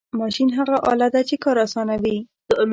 ماشین هغه آله ده چې کار آسانوي.